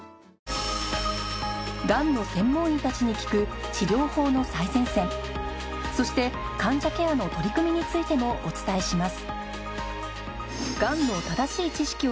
がんの専門医たちに聞く治療法の最前線そして患者ケアの取り組みについてもお伝えします